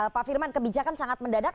pak firman kebijakan sangat mendadak